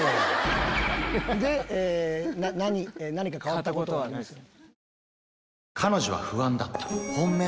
で「何か変わったことはないですよね？」。